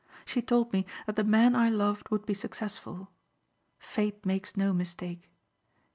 She told me that the man I loved would be successful. Fate makes no mistake.